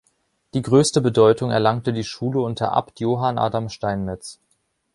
Die größte Bedeutung erlangte die Schule unter Abt Johann Adam Steinmetz.